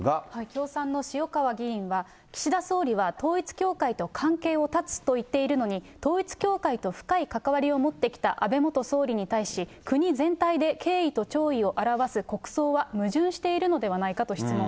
共産の塩川議員は、岸田総理は統一教会と関係を断つと言っているのに、統一教会と深いかかわりを持ってきた安倍元総理に対し、国全体で敬意と弔意を表す国葬は矛盾しているのではないかと質問。